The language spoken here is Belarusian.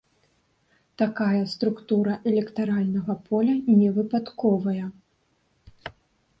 Такая структура электаральнага поля невыпадковая.